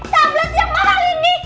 tablet yang mahal ini